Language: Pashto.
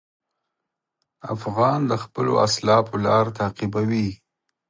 افغان د خپلو اسلافو لار تعقیبوي.